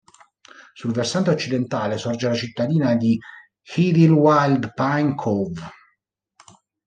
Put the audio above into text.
Sul versante occidentale sorge la cittadina di Idyllwild-Pine Cove.